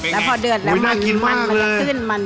แล้วพอเดือดแล้วมันมันจะขึ้น